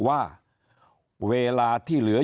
ตัวเลขการแพร่กระจายในต่างจังหวัดมีอัตราที่สูงขึ้น